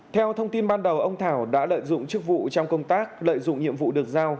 theo thông tin ban đầu ông thảo đã lợi dụng chức vụ trong công tác lợi dụng nhiệm vụ được giao